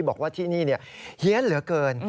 บอกว่าที่นี่เฮียนเหลือเกิน